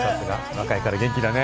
若いから元気だね。